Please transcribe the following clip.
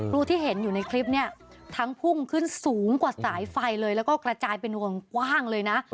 รูที่เห็นอยู่ในคลิปเนี่ยทั้งพุ่งขึ้นสูงกว่าสายไฟเลยแล้วก็กระจายเป็นวงกว้างเลยนะ